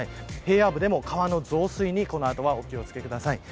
平野部でも、川の増水にこの後はお気を付けください。